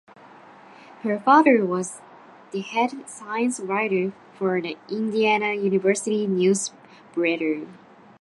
Her father was the head science writer for the Indiana University news bureau.